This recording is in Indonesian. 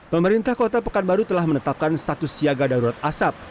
pemerintah kota pekanbaru telah menetapkan status siaga darurat asap